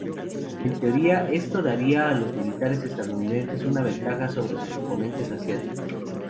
En teoría, esto daría a los militares estadounidenses una ventaja sobre sus oponentes asiáticos.